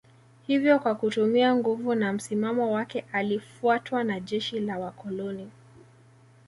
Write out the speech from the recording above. Hivyo kwa kutumia nguvu na msimamo wake alifuatwa na jeshi la Wakoloni